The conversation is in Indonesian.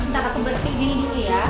ntar aku bersihin dulu ya